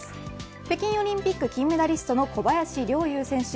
北京オリンピック金メダリストの小林陵侑選手。